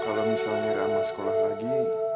kalau misalnya ramah sekolah lagi